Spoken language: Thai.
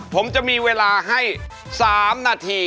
ผมจะมีเวลาให้๓นาที